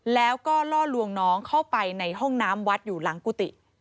แล้วก็ล่อลวงน้องเข้าไปในห้องน้ำวัดอยู่หลังกุฏิ